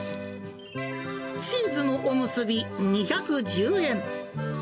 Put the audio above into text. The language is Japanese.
チーズのおむすび２１０円。